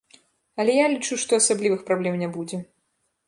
Але я лічу, што асаблівых праблем не будзе.